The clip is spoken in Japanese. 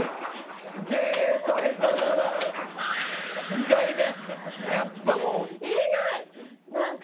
意外ね。